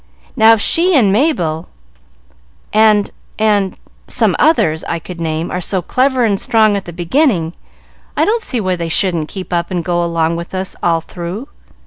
Now, if she and Mabel and and some others I could name, are so clever and strong at the beginning, I don't see why they shouldn't keep up and go along with us all through.